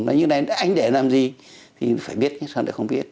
như thế này anh để làm gì thì phải biết chứ sao lại không biết